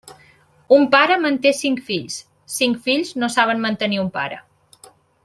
Un pare manté cinc fills; cinc fills no saben mantenir un pare.